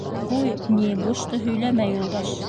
— Ҡуй, ни, бушты һөйләмә, Юлдаш.